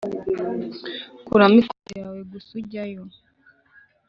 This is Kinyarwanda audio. kuramo ikoti yawe gusa ujyayo;